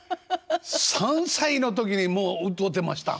３歳の時にもう歌うてましたん？